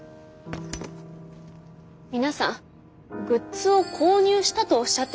皆さんグッズを購入したとおっしゃってます。